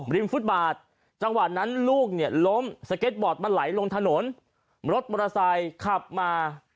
ริมจังหวัดนั้นลูกเนี่ยล้มมาไหลลงถนนรถมอเตอร์ไซค์ขับมา